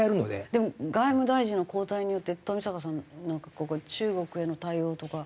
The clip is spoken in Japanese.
でも外務大臣の交代によって富坂さんなんか中国への対応とか。